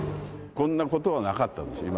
こんなことはなかったですよ